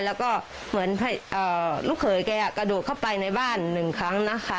แล้วก็เหมือนลูกเขยแกกระโดดเข้าไปในบ้านหนึ่งครั้งนะคะ